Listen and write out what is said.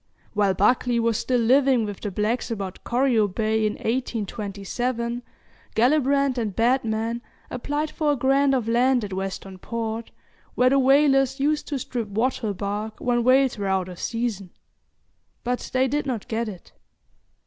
While Buckley was still living with the blacks about Corio Bay, in 1827, Gellibrand and Batman applied for a grant of land at Western Port, where the whalers used to strip wattle bark when whales were out of season; but they did not get it.